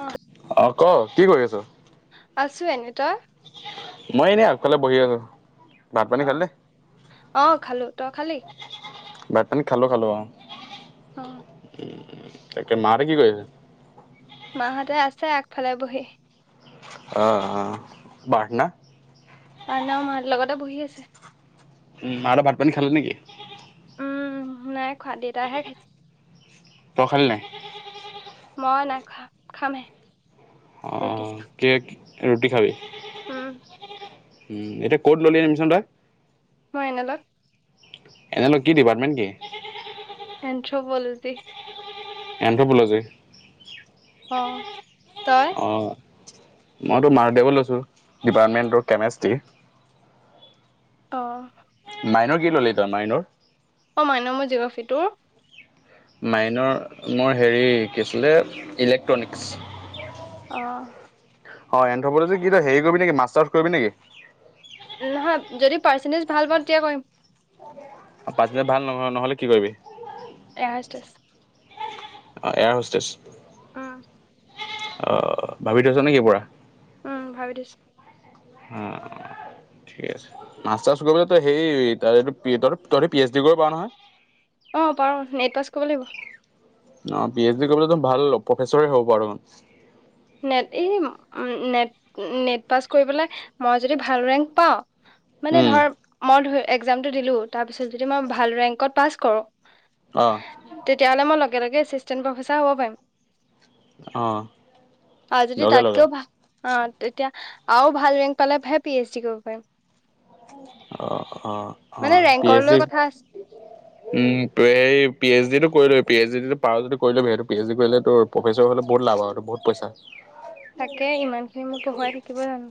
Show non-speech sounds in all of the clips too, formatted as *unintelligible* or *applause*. অহ অ', ক কি কৰি আছ? আছোঁ এনেই, তই? মই এনেই আগফালে বহি আছো। ভাত পানী আঁ খালি অঁ' খালো তই খালি? ভাত-পানী খালো খালো অঁ। অঁ' তাকে, মাহেতে কি কৰি আছে? মাহঁতে আছে আগফালে বহি। অ অ বা হেতে না। বানা মা হেত লগতে বহি আছে। উম মাহেতে ভাত পানী খালে নেকি? উম' নাই খোৱা দেউতাহে খাইছে। তয় খালি নাই? মই নাইখোৱা খামহে ৰুটি চো- কেক ৰুটি খাবি। উম' উম' এতিয়া ক'ত ললি এদমিচন তই। ময় এনেলত। এনেল কি ডিপাৰ্টমেণ্ট কি? এনট্ৰ পলিতি। এনট্ৰ পলেজায়ি। অঁ' তয়। অঁ' মইতো মাৰদেৱত লৈছোঁ, ডিপাৰ্টমেণ্টৰ কেমেষ্ট্ৰি। অ' মাইনৰ কি ল'লি তই মাইনৰ? অঁ মাইন মো জি'গ্ৰ্যাফী, তোৰ? মাইনৰ মোৰ হেৰি কি আছিলে ইলেক্ট্ৰনিক্ছ। অঁ' অঁ এন্থ্ৰপলজি কি হেৰি কৰিবি নেকি মাষ্টাৰ্ছ কৰিবি নেকি? নহয়, যদি পাৰ্চেণ্টেজ ভাল পাওঁ তেতিয়া কৰিম। *unintelligible* অ' পাৰচেনটিজ ভাল ন' নহ'লে কি কৰিবি? Air hostage. অ' এয়াৰ হোষ্টেজ। অঁ'। অ' ভাবি থৈছ নেকি পুৰা। উম ভাবি থইছো। অঁ অঁ' ঠিক আছে, মাষ্টাৰ্ছ কৰিবলৈ তই হেৰি তাৰে তোৰ পি এটৰ তহতি পি এইচ ডি কৰিব পাৰ নহয়। অঁ, পাৰু নেট পাছ ক'ৰিব লাগিব। অঁ' পি এইচ ডি কৰি পেলাই টো ভাল প্ৰফেচৰে হ'ব পাৰ মানে। নেট এই উম, নেট নেট পাছ কৰি পেলাই- মই যদি ভাল ৰেংক পাওঁ- মানে উম ধৰ মই ধৰ একজামটো দিলো তাৰপিছত যদি মই ভাল ৰেংকত পাছ কৰোঁ, - অঁ' তেতিয়াহ'লে মই লগে লগে এচিষ্টেন প্ৰফেচাৰ হ'ব পাৰিম। অ'। আৰু যদি লগে লগে তাতকৈও ভাল অ' তেতিয়া আৰু ভাল ৰেংক পালেহে পি এইচ ডি কৰিব পাৰিম। অ অ অ মানে পি ৰেংকৰ এইছ লৈ ডি, *inaudible* উম এই পি এইচ ডি তটো কৰিলবি পি এইচ ডিটো পাৰ যদি কৰি লবি সিহটো পি এইচছ ডি কৰিলে তোৰ, প্ৰফেচৰ হ'লে বহুত লাভ আৰু বহুত পইচা। তাকে ইমানখিনি মোক পঢ়োৱাই থাকিব জানো।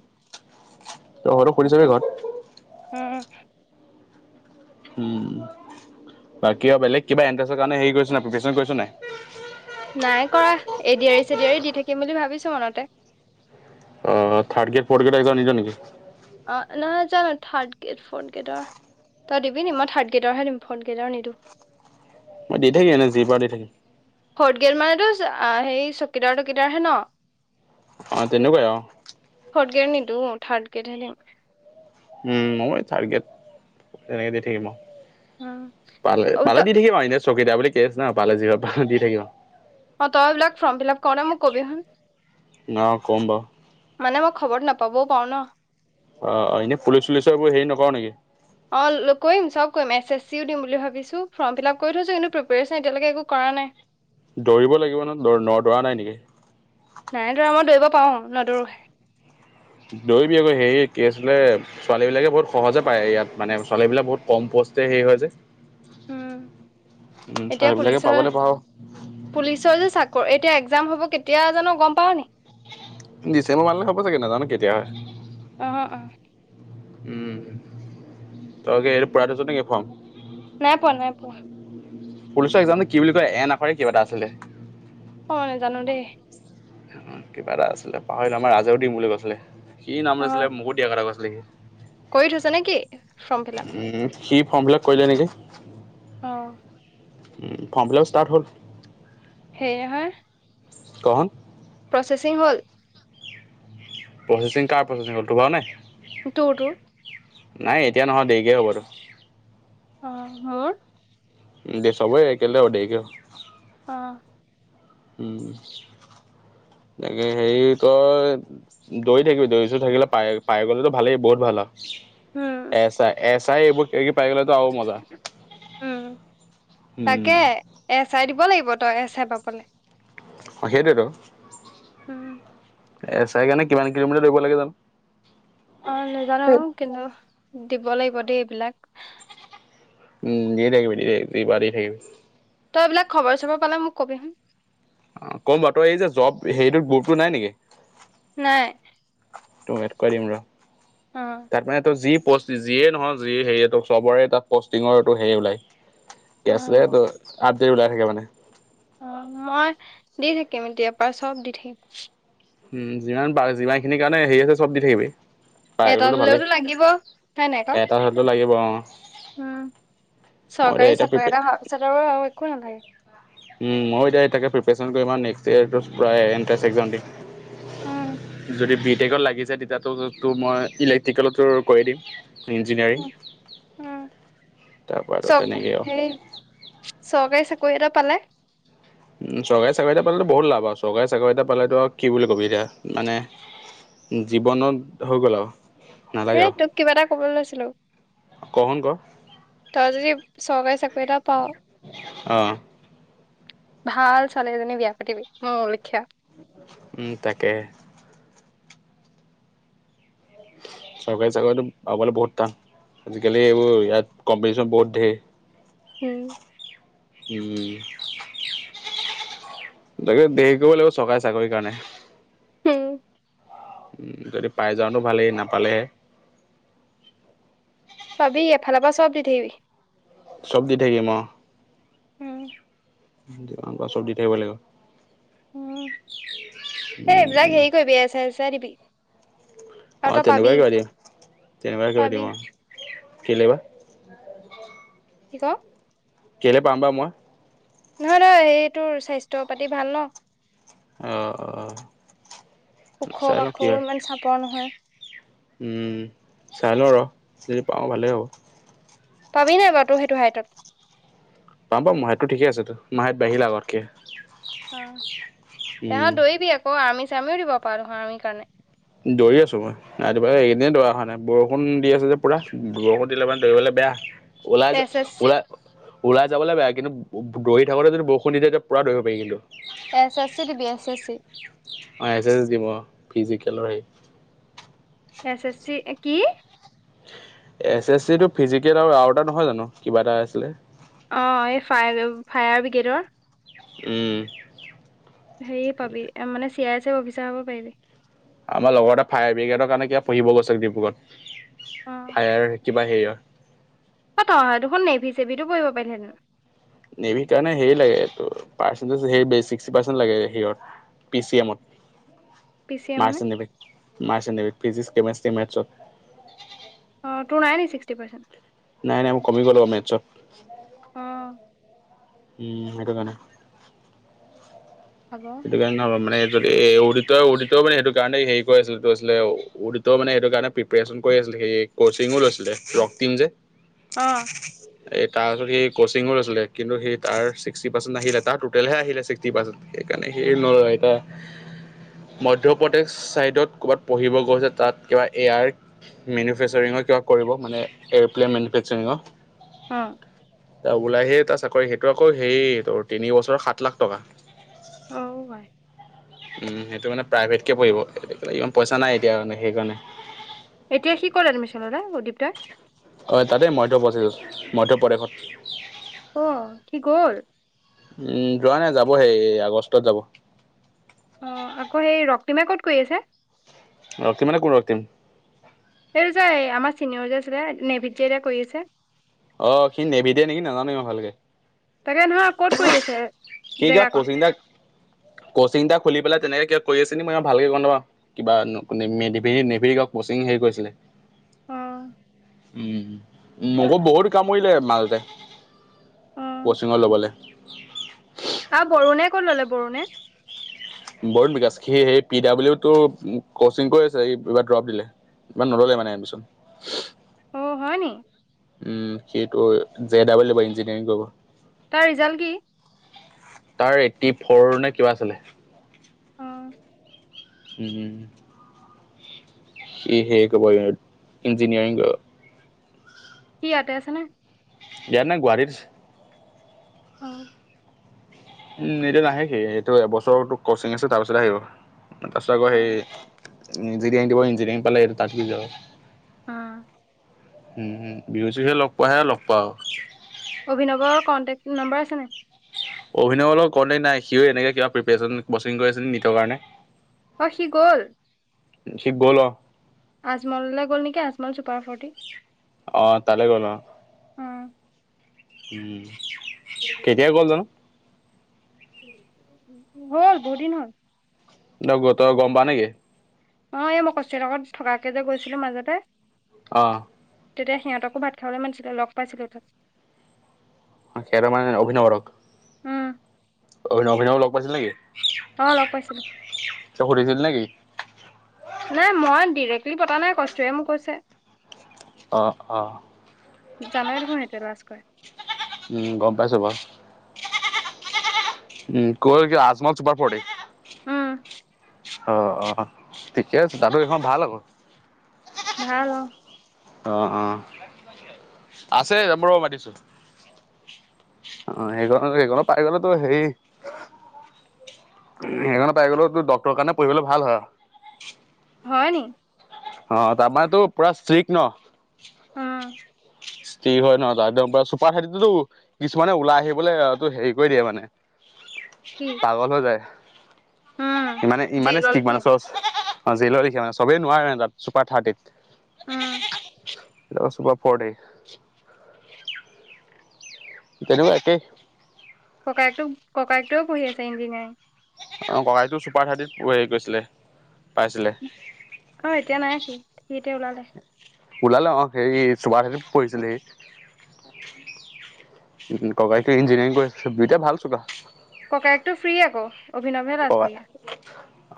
তই বুঢ়াটোক সুধি চাবি ঘৰত, উম উম, বাকী আৰু বেলেগ কিবা এণ্ট্ৰেছৰ কাৰণে হেৰি কৰিছো নাই প্ৰিপেৰচ্যন কৰিছ নাই, নাই কৰা এডিয়াৰী চেডিয়াৰী দি থাকিম বুলি ভাবিছো মনতে। অ third grade fourth grade exam নিদিঅ' নেকি? অ' নহয় জা থাৰ্ড গ্ৰেড ফৰ্থ গ্ৰেডৰ। তই দিবি নি মই থাৰ্ড গেডৰহে দিম ফৰ্থ গেডৰ নিদু। মই দি থাকিম এনে যি পাৰো দি থাকিম। ফৰ্ট গেট মানেতো হেৰি চকীদাৰ তকিদাৰ হে ন। অ' তেনেকুৱাই অ'। ফৰ্থ গ্ৰেড নিদো থাৰ্ড গ্ৰেডহে দিম। উম, মও থাৰ্ড গেড, তেনেকে দি থাকিম আৰু। পালে পালে দিম দি থাকিম আৰু এনে চকীদাৰ বুলি কেছ নাই পালে জীহঁত পাও দি থাকিম আউ। অ' তই এইবিলাক ফৰ্ম ফিল আপ কৰিলে মোক কবি হুন, অ ক'ম বাৰু মানে মই খবৰত নাপাবও পাৰো ন। অ', অ', এনে পুলিচ চুলিচৰ বোৰ হেৰি নকৰ নেকি। অঁ কৰিম চব কৰিম এছ এছ চিও দিম বুলি ভাবিছোঁ ফৰ্ম ফিল আপ কৰি থৈছোঁ কিন্তু প্ৰিপেৰেশ্যন এতিয়ালৈকে একো কৰা নাই। *inaudible* দৌৰিব লাগিব নহয় ন' দৌৰা নাই নেকি? নাই দৌৰা মই দৌৰিব পাওঁ নদৌৰোহে। দৌৰিবি আক হেৰি কি আছিলে, ছোৱালীবিলাকে বহুত সহজে পায় ইয়াত মানে ছোৱালী বিলাক বহুত কম পোষ্ট হে হেৰি হয় যে। উম, উম এতিয়া ছোৱালীবিলাকে পুলিচৰ পাবলৈ পাওঁ পুলিচৰ যে চাকৰি এতিয়া একজাম হ'ব কেতিয়া জানো গ'ম পাওঁ নি? ডিচেম্বৰ মান লে হ'ব চাগে নাজানো কেতিয়া হয়। অ অ উম, তই কি এই পুৰাই থৈছ নেকি ফৰ্ম। নাই পোৱা নাই পোৱা। পুলিচৰ একজাম টো কি বুলি কয় এন আখৰে কিবা এটা আছিলে। মই নাজানো দেই। কিবা এটা আছিলে পাহৰিলে আমাৰ ৰাজেও দিম বুলি কৈছিলে সি নাম অ লৈছিলে মুকো দিয়া কথা কৈছিলে সি। কৰি থৈছে নে কি ফৰ্ম ফিল আপ। উম সি ফৰ্মফিলাপ কৰিলে নেকি। অ' ফৰ্ম ফিলাপ ষ্টাৰ্ট হ'ল। হেৰি নহয়, কহ হুন, প্ৰচেচিং হ'ল? প্ৰচেচিং কাৰ প্ৰচেচিং হ'ল টো হোৱা নাই, টু টো নাই এতিয়া নহয় দেৰিকে হ'ব এইটো। অঁ' মোৰ। উম, চবৰে একে *unintelligible* অঁ'। উম, তাকে হেৰি তই- দৌৰি থাকিবি দৌৰি চৌৰি থাকিলে পাই পাই গ'লেতো ভালেই বহুত ভাল আৰু। উম এচাই এচাই এইবোৰ পাই গ'লেতো আৰু মজা, হম! এ চাই দিব লাগিব, তই এ চাই পাবলে। অ', সেইটোৱেতো। উম'। এ চাই কাৰণে কিমান কিলোমিটাৰ দৌৰিব লাগে জানো! অ' নাজানো কিন্তু দিব লাগিব দেই এইবিলাক। উম দিয়ে থাকিবি দি বা দি থাকিবি। তই এইবিলাক খবৰ চবৰ পালে মোক কবি। অঁ' ক'ম বাৰু, তই এই যে জব হেৰিটো গ্ৰুপটো নাই নেকি? নাই। তোক এড কৰাই দিম ৰ। অ'। তাত মানে তোৰ যি প'ষ্ট যিয়ে নহওঁক যি হেৰিটো চবৰে তাত পষ্টিংৰটো হেৰি ওলায়। অ কি আছিলে তোৰ আপডেট ওলাই থাকে মানে। অঁ' মই দি থাকিম এতিয়াৰ পৰাৰ চ'ব দি থাকিম। উম, যিমান পাৰ, যিমান খিনি কাৰণে হেৰি আছে চব দি থাকিবি। পাই এটাত গ'লেতো ভালেই হ'লেওতো লাগিব হয় নাই ক। এটা হ'লেতো লাগিব অ মই এতিয়া চৰকাৰী এতিয়া চাকৰি প্ৰিপে এটা হোৱাৰ পিছত আৰু, আৰু একো নালাগে। উম, মই এতিয়া তাকে প্ৰিপেশ্যন কৰিম আৰু নেক্সট ইয়েৰটোত প্ৰায় এটেন্ঞ্চ এক্সাম দিম। উম যদি বি টেকত লাগি যায় তেতিয়াটো তোৰ মই ইলেক্ট্ৰিকেলতো কৰি দিম। ইঞ্জিনিয়াৰিং উম উম তাৰপৰা আৰু চব তেনেকেই আৰু। হেৰি চৰকাৰী চাকৰি এটা পালে উমঁ' চৰকাৰী চাকৰি এটা পালেতো বহুত লাভ আৰু চৰকাৰী চাকৰি এটা পালেতো আৰু কি বুলি কবি এতিয়া মানে- জীৱনত হৈ গ'ল আও। এ তোক কিবা এটা কবলৈ লৈছিলো ক শুন ক- তই যদি চৰকাৰী চাকৰি এটা পাৱ অ' ভাল ছোৱালী এজনী বিয়া পাতিবি মোৰ লিখিয়া। উম তাকে! চৰকাৰী চাকৰিটো পাবলে বহুত টান, আজিকালি এইবোৰ ইয়াত কম্পিটিশ্যন বহুত ধেৰ। উম। উম তাকে দেৰি কৰিব লাগিব চৰকাৰে চাকৰি কাৰণে। উম। উম, যদি পাই যাওঁতো ভালেই নাপালে পাবি এফাল পা চব দি থাকিবি। চ'ব দি থাকিম আৰু। উম। *unintelligible* চব দি থৈ আহিব লাগিব। উম এই এইবিলাক উম হেৰি কৰিবি এচা এচাই দিবি। আৰু অ তই পাবি তেনেকুৱাই কিবা দিম তেনেকুৱাই কিবা পাবি দিম অৱ কেলে বা? কি ক! কেলে পাম বা মই। নহয় নহয় সেইটোৰ স্বাস্থ্য পাতি ভাল ন। অ' অ' ওখ চাই লওঁ বাখ কি হয়। ইমান চাপৰ নহয়। উম চাই লওঁ ৰ যদি পাওঁ ভালেই হ'ব। পাবি নাই বাৰু সেইটো হাইটত। পাম পাম মাহতো ঠিক আছেটো মাহেত বাঢ়িলে আগতকে। অৱ, উম তহাঁত দৌৰিবি আক আমি চাৰমিও দিব পাৰ নহয় আৰ্মিৰ কাৰণে। দৌৰি আছোঁ মই। ৰাতিপুৱা এনেই দৌৰা হয় ন। বৰষুণ দি আছে যে পুৰা বৰষুণ দিলে মানে দৌৰিবলৈ বেয়া। ওলাই যে এছ এছ ওলাই ওলাই যাবলৈ বেয়া কিন্তু দৌৰি থাকোতে যদি বৰষুণ দিয়ে তেতিয়া পুৰা দৌৰিব পাৰি কিন্তু। এছ এছ চি দিবি, S S C or S S দিম অৱ, ফিজিকেলৰে। এচ এছ কি? এছ এছ চি টো ফিজিকেল আৰু আউটাৰ নহয় জানো, কিবা এটা আছিলে। অৱ এই ফায় ফায়াৰ ব্ৰিগেডৰ। উম। হেই পাবি, মানে চি আইছেফ এ অফিচাৰ হ'ব পাৰিবি। আমাৰ লগৰ এটা ফায়াৰ ব্ৰিগেডৰ কাৰণে কিবা পঢ়িব গৈছে ডিব্ৰুগড়ত, অ ফায়াৰ কিবা হেৰি হয়। অ তই দেখোন নেভি চেভিটো কৰিব পাৰিলেহেঁতেন। নেভি কাৰণে হেৰি লাগে তোৰ পাৰ্চেণ্টিচ বেছিকৈ পাৰ্চেন লাগে হেৰিয়ত। পি চি এমত, পি চি এ মানে March N navy March N navy ফিজিক, কেমেষ্ট্ৰীক, মেটচ্ছত। অ তোৰ নাই নেকি চিছষ্টি ফাইব। নাই নাই মোৰ কমি গ'ল অ মেট'চত। অ। উম সেইটো কাৰনে। হ'ব। সেইকাৰণে মানে যদি এ উডিত উডিত মানে সেইটো কাৰণে হেৰি কৰি আছিলে আছিলে ত' মানে সেইটো কাৰণে প্ৰিপাৰেচন কৰি আছিলে সে কচিঙো লৈছিলে ৰকটিম যে। অৱ। তাৰ ওচৰত সি কচিং লছিলে কিন্তু সি তাৰ চিকষ্টি পাৰ্চেণ্ট আহিলে তাৰ টোটেলেহে আহিলে ছিক্টি পাৰ্চেণ্ট। সেইকাৰণে সেই ন *unintelligible* মধ্যপ্ৰদেশ চাইডত ক'ৰবাত পঢ়িব গৈছে তাত কিবা এয়াৰ মেনুফেক্সাৰিঙৰ কিবা কৰিব মানে এয়াৰ'প্লেন মেনুফেক্সাৰিঙ। অৱ। ত ওলাই আহি তাৰ চাকৰি সেইটো আকৌই তোৰ তিনি বছৰ সাত লাখ টকা। *unintelligible* অ ভাই। উম সেইটো মানে প্ৰাইভেটকে পৰিব। ইমান পইচা নাই এতিয়া মানে সেইকাৰণে। এতিয়া কি কৰে *unintelligible* উদীপ তই? হয় তাতেই মধ্যপ্ৰদিশত, মধ্যপ্ৰদেশত। অঁ সি গ'ল? উম, যোৱা নাই যাব সে আগষ্টত যাব। অঁ, আকৌ সেই ৰক্তিমে ক'ত কৰি আছে? ৰক্তিম মানে কোন ৰক্তিম? এইটো যে আমাৰ চিনিয়ৰ যে আছিলে, নেভিত যেতিয়া কৰি আছে। অঁ' সি নিভিতে নেকি নাজানো ইমান ভালকে তাকে ধৰা ক'ত কৰি আছে সি কিবা জেগাকন? কচিং এটা কচিং এটা খুলি পেলাই তেনেকে কিবা কৰি আছে নি মই ভালকৈ গম নাপাওঁ। কিবা নেভিৰ কিবা কচিং কৰিছিলে। অঁ। উমঁ' মোকো বহুত কামুৰিলে মালতে। অ' কচিঙত ল'বলে। আৰু বৰুণে ক'ত ল'লে বৰুণে? বৰুণ বিকাশ সি সেই পি ডাব্লিউটো কচিং কৰি আছে, এইবাৰ ড্ৰপ দিলে। ইমান নল'লে মানে এডমিছন। অঁ' হয় নি? উম, সেইটো জে ডাবলব ইঞ্জিনিয়াৰিং কৰিব। তাৰ ৰিজাল্ট কি? তাৰ এইট্টি ফ'ৰ নে কিবা আছিলে। অঁ। উম উম। ই হেৰি কৰিব ইঞ্জনিয়াৰিং কৰিব। কি ইয়াতে আছে নে? ইয়াত নাই গুৱাহাটীত আছে। অঁ। উম, এতিয়া নাহে সি, এইটো এবছৰটো কচিং আছে তাৰপিছত আহিব। তাৰপিছত আকৌ অ' সেই- ইঞ্জিনিয়াৰিং দিব, ইঞ্জিনিয়াৰিং পালা এইটো তাত *unintelligible* অঁ। উমঁ উমঁ, বিহু-চিহুয়ে লগ পাৱাই লগ পোৱা আৰু। অভিনৱৰ কন্টেক্ট নম্বৰ আছে নাই? অভিনয় লগত কণ্টে নাই, সিয়ো এনেকে কিবা প্ৰেপেচন কচিং কৰি আছে নেকি নিটৰ কাৰণে। সি গ'ল। সি গ'ল অঁ। আজমললৈ গ'ল নেকি, আজমল চুপাৰ ফৰ্টি। অঁ তালে গ'ল অঁ। অ' উম কেতিয়া গ'ল জানোঁ। হ'ল বহু দিন হ'ল। তই গম পাও নেকি? অঁ' এই মই কস্তুৰী লগত থকাকে যে গৈছিলো মাজতে- অ' তেতিয়া সিহঁতকো ভাত খাবলৈ মাতিছিলে, লগ পাইছিলো তাত। সিহঁতক মানে অভিনৱক? উম অভিন অভিনৱক লগ পাইছিলা নেকি? অঁ' লগ পাইছিলোঁ। তই সুধিছিলি নেকি? নাই মই ডিৰেক্টলি পতা নাই, কস্তুৰীয়ে মোক কৈছে অ অ। জানাই দেখোন সেইটোৱে লাজ কৰে। উম গম পাইছো বাও, উম কয় আজমল চুপাৰ ফৰ্তি উম অ অ ঠিকে আছে, দাদু এইখন ভাল হব। ভাল অঁ। অঁ অঁ আছে ৰ মই মাতিছো। অঁ, সেইখন সেইখনত পাই গ'লেতো হেই সেইখনো পাই গ'লো তোৰ ডৰক্ট কাৰণে পঢ়িবলে ভাল হয়। হয় নি? অঁ, তাপাটো পোৰা ষ্ট্ৰিক ন। উম কি হয় নহয় একদম চুপাৰ খেতিতো কিছুমানে ওলাই আহিবলৈটো হেৰি কৰি দিয়ে মানে। *inaudible* পাগল হৈ যায়, উম ইমানে ইমানে জেইলৰ ষ্ট্ৰিক মানু লেখিয়া চচ অঁ জেলৰ লিখিয়া মানে চবে নোৱাৰে তাত চুপাৰ থাৰ্টিত। উম। পোৰা চুপাৰ ফৰ্তি। গেদুক একেই। ককাইকটো ককাইটোৱেও পঢ়ি আছে ইঞ্জিনিয়াৰিং। অঁ, ককাইকটো ছুপাৰ থাৰ্টিত হেৰি কৰিছিলে পাইছিলে। অ এতিয়া নাই সি, সি এতিয়া ওলালে। ওলালে অঁ হে ছুপাৰ থাৰ্তিত পঢ়িছিল সি উম, ককাইটো ইঞ্জিনিয়াৰিং কৰি দুইটাই ভাল চোকা। ককাইকটো ফ্ৰী আকৌ। অভিনৱহে লাজ অই, কৰি আছে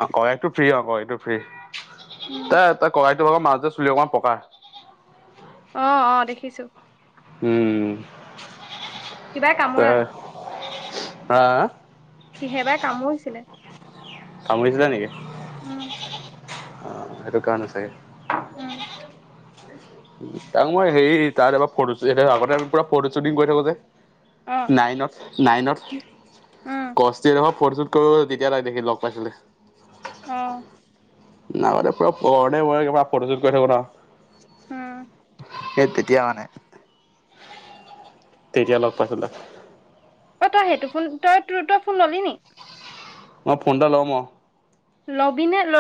অঁ ককাইকটো ফ্ৰী অঁ ককাইকটো ফ্ৰী উম তই তই ককাইক টো মাজতে, চুলি অকণ পকা। অঁ অঁ দেখিছো। উম কিবাই কামোৰা তই হা হা কিহেবাই কামোৰিছিলে। কামুৰিছিলে নেকি, উম অ সেইটো কাৰণ চাগে। উম উম, তাক মই হেৰি তাত এবাৰ ফটো আগতে পুৰা ফটো শ্বুটিং কৰি থাকো যে। অ নাইনত নাইনত উম কষ্ট যিদখত ফটোশ্বুট কৰিব তেতিয়া তাইক দেখি লগ পাইছিলে। অঁ নাই পুৰা আগতে কা ফটোশ্বুট কৰি থাকো না। উম সেই তেতিয়া মানে, তেতিয়া লগ পাইছিলোঁ। অঁ তই সেইটো ফোন তই ত তই ফোন ল'লি নি? অঁ মই ফোন এটা লম অঁ। লবি নে ল